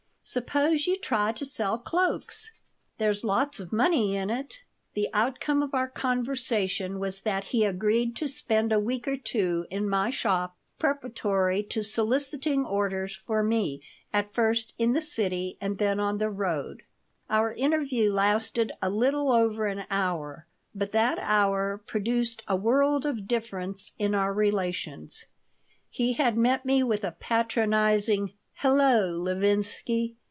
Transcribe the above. Suppose you try to sell cloaks? There's lots of money in it." The outcome of our conversation was that he agreed to spend a week or two in my shop preparatory to soliciting orders for me, at first in the city and then on the road Our interview lasted a little over an hour, but that hour produced a world of difference in our relations. He had met me with a patronizing, "Hello, Levinsky."